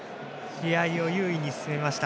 試合を優位に進めました。